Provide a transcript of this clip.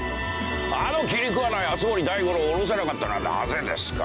あの気に食わない熱護大五郎を降ろさなかったのはなぜですか？